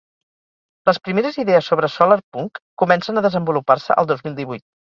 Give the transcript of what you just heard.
Les primeres idees sobre solarpunk comencen a desenvolupar-se al dos mil vuit